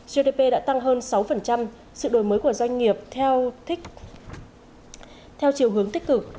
gdp đã tăng hơn sáu sự đổi mới của doanh nghiệp theo chiều hướng tích cực